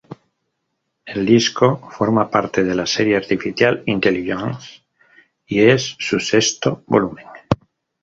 El disco forma parte de la serie Artificial Intelligence, y es su sexto volumen.